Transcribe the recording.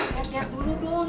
lihat lihat dulu dong